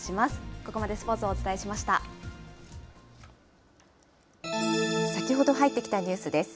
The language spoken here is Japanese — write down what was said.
ここまでスポーツをお伝えしまし先ほど入ってきたニュースです。